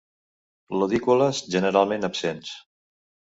Lodícules generalment absents.